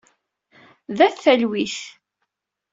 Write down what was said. D at talwit.